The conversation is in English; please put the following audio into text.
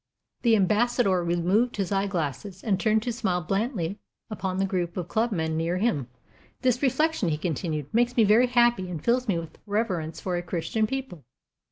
The Ambassador removed his eyeglasses, and turned to smile blandly upon the group of club men near him. "This reflection," he continued, "makes me very happy, and fills me with reverence for a Christian people.